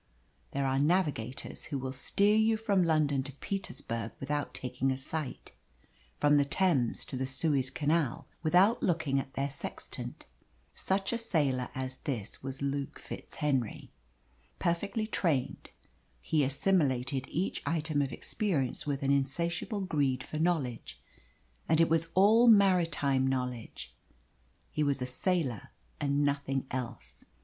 There are navigators who will steer you from London to Petersburg without taking a sight, from the Thames to the Suez Canal without looking at their sextant. Such a sailor as this was Luke FitzHenry. Perfectly trained, he assimilated each item of experience with an insatiable greed for knowledge and it was all maritime knowledge. He was a sailor and nothing else.